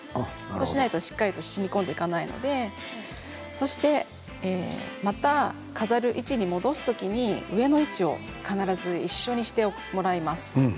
そうしないとしっかりとしみこんでいかないのでまた飾る位置に戻す時に上の位置を必ず一緒にしてもらいます。